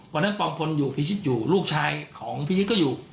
วันนั้นปองพลอยู่พี่ชิดอยู่ลูกชายของพี่ชิดก็อยู่